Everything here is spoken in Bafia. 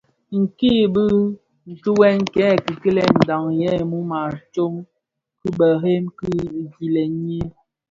Ki bitughe kè kikilèn ndhaň yè ňu a tsok kibèrèn ki gilèn yin,